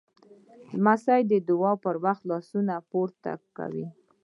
لمسی د دعا پر وخت لاسونه پورته کوي.